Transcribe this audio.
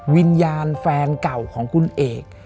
วิญญาณแฟนเก่าของคุณเอก